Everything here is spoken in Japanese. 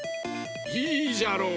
いいじゃろう。